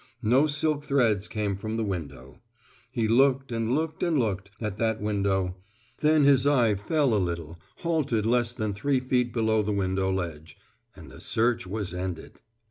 No silk threads came from the window. He looked and looked and looked at that window; then his eye fell a little, halted less than three feet below the window ledge, and the search was ended.